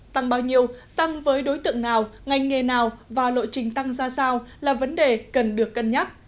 tăng bao nhiêu tăng với đối tượng nào ngành nghề nào và lộ trình tăng ra sao là vấn đề cần được cân nhắc